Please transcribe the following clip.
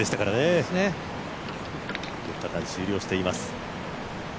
４日間、終了しています。